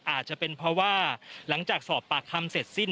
อาจจะเป็นเพราะว่าหลังจากสอบปากคำเสร็จสิ้น